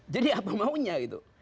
jadi apa maunya gitu